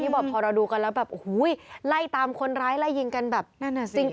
พอเราดูกันแล้วไล่ตามคนร้ายไล่ยิงกันแบบจริง